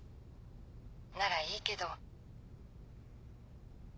ならいいけど。